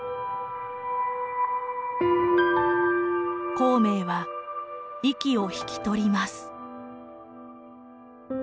孔明は息を引き取ります。